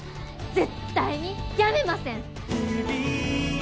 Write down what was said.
絶対にやめません！